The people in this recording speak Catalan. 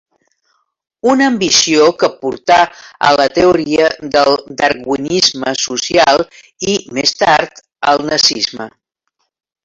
Una ambició que portà a la teoria del darwinisme social, i més tard al nazisme.